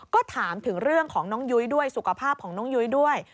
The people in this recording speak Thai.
ก็ถามถึงเรื่องของน้องยุ้ยด้วยสุขภาพของน้องยุ้ยด้วย